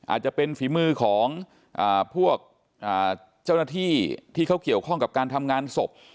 อาจจะเป็นฝีมือของพวกเจ้าหน้าที่ที่เขาเกี่ยวข้องกับการทำงานศพ